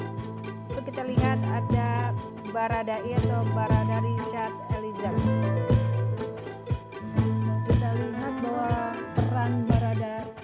hai sekarang kita lihat ada barada itu barada richard eliza kita lihat bahwa perang barada